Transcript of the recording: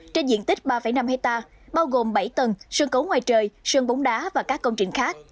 trên diện tích ba năm hectare bao gồm bảy tầng sơn cấu ngoài trời sơn bóng đá và các công trình khác